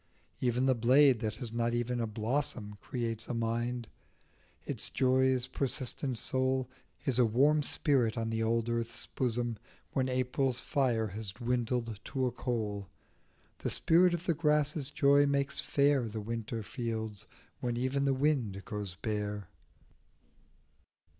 Even the blade that has not even a blossom Creates a mind, its joy's persistent soul Is a warm spirit on the old earth's bosom When April's fire has dwindled to a coal ; The spirit of the grasses' joy makes fair The winter fields when even the wind goes bare.